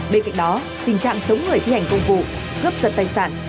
bên cạnh đó tình trạng chống người thi hành công cụ gấp giật tài sản